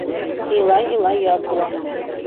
Илай-илай яҙ була